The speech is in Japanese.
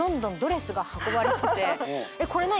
これ何？